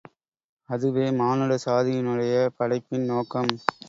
அதுவே மானுட சாதியினுடைய படைப்பின் நோக்கம்.